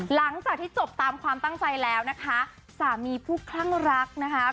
หลังจากที่จบตามความตั้งใจแล้วนะคะสามีผู้คลั่งรักนะคะ